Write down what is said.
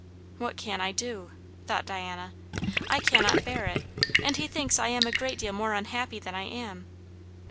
"What can I do?" thought Diana. "I cannot bear it. And he thinks I am a great deal more unhappy than I am.